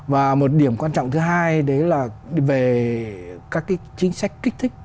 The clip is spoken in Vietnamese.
và một điểm quan trọng thứ hai đấy là về các cái chính sách kích thích